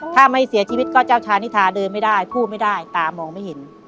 ถ้าไม่เสียชีวิตก็เจ้าชานิทาเดินไม่ได้พูดไม่ได้ตามองไม่เห็น